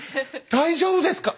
大丈夫ですか？